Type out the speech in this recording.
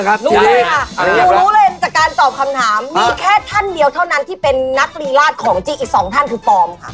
แค่ท่านเดียวเท่านั้นที่เป็นนักรีราชของจิ๊กอีกสองท่านคือปอมค่ะ